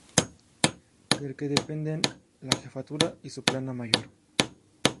Del que dependen la Jefatura y su Plana Mayor.